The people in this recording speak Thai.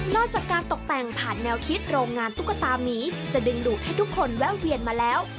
อกจากการตกแต่งผ่านแนวคิดโรงงานตุ๊กตามีจะดึงดูดให้ทุกคนแวะเวียนมาแล้ว